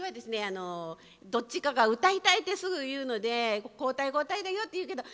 どっちかが歌いたいってすぐ言うんですけど交代交代だよって言うんですけど。